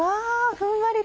ふんわりと。